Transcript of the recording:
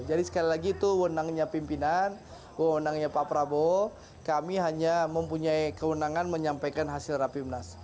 jadi sekali lagi itu wewenangnya pimpinan wewenangnya pak prabowo kami hanya mempunyai kewenangan menyampaikan hasil rapimnas